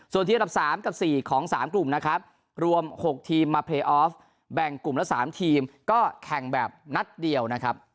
ส่วนทีมอันดับ๓กับ๔ของ๓กลุ่มนะครับรวม๖ทีมมาเพลย์ออฟแบ่งกลุ่มละ๓ทีมก็แข่งแบบนัดเดียวนะครับ